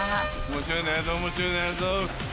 ・面白いのやるぞ面白いのやるぞ